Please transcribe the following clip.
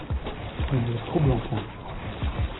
Ne nous troublons point.